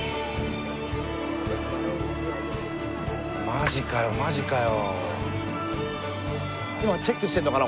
マジかよマジかよ。